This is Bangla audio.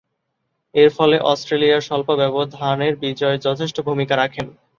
এরফলে, অস্ট্রেলিয়ার স্বল্প ব্যবধানের বিজয়ে যথেষ্ট ভূমিকা রাখেন।